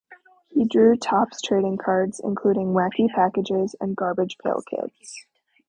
He drew Topps trading cards, including Wacky Packages and Garbage Pail Kids.